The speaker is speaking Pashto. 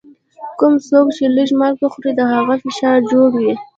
کوم څوک چي لږ مالګه خوري، د هغه فشار جوړ وي.